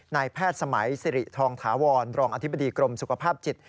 นายแพทย์สมัยสิริทองถาวรรองอธิบดีกรมสุขภาพจิต